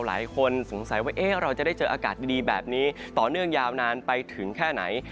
หลายคนสงสัยว่าเราจะได้เจออากาศดีแบบนี้ต่อเนื่องยาวนานไปถึงแค่ไหน